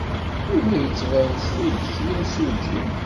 Yuba yettban-d s tidet d imsujji.